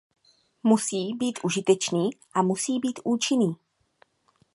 Musí být užitečný a musí být účinný.